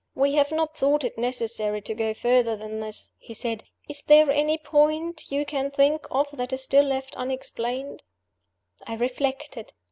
"We have not thought it necessary to go further than this," he said. "Is there any point you can think of that is still left unexplained?" I reflected.